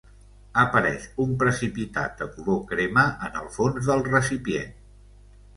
Apareix un precipitat de color crema en el fons del recipient.